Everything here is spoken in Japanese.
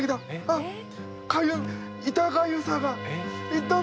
あっかゆい痛がゆさが！